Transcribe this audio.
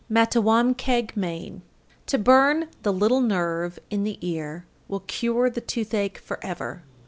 Mattawamkeag, Me. 871. To burn the "little nerve" in the ear will cure the toothache forever.